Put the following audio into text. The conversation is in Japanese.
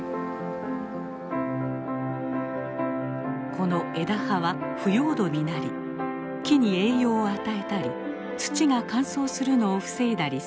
この枝葉は腐葉土になり木に栄養を与えたり土が乾燥するのを防いだりするのです。